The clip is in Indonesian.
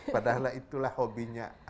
padahal itulah hobinya anak anak kita